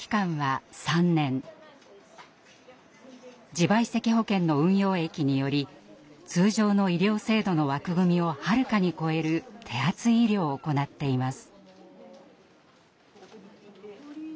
自賠責保険の運用益により通常の医療制度の枠組みをはるかに超える手厚い医療を行っています。